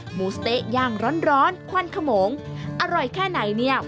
หมูสะเต๊ะย่างร้อนควันขมงอร่อยแค่ไหนเนี่ย